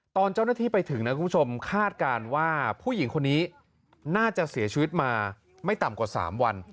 ตอนเจ้าหน้าที่ไปถึงนะคุณผู้ชมคาดการณ์ว่าผู้หญิงคนนี้น่าจะเสียชีวิตมาไม่ต่ำกว่า๓วัน